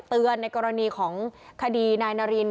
ในกรณีของคดีนายนาริน